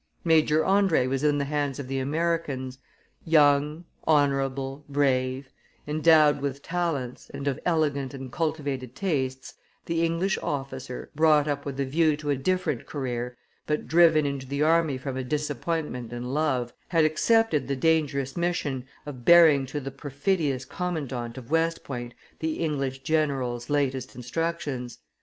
Major Andre was in the hands of the Americans. Young, honorable, brave, endowed with talents, and of elegant and cultivated tastes, the English officer, brought up with a view to a different career, but driven into the army from a disappointment in love, had accepted the dangerous mission of bearing to the perfidious commandant of West Point the English general's latest instructions.